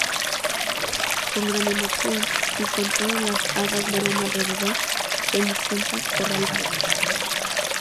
Con gran emoción, y con todas las hadas bailando alrededor, Cenicienta corre al baile.